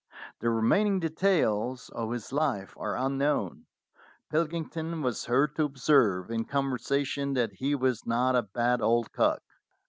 The remaining details of his life are unknown. Pilkington was heard to observe in conversation that he was not a bad old cock.